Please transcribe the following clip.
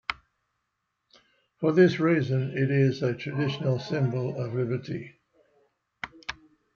For this reason it is a traditional symbol of liberty.